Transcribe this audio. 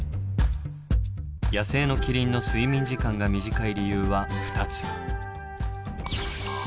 野生のキリンの睡眠時間が短い理由は２つ。